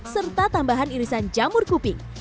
serta tambahan irisan jamur kuping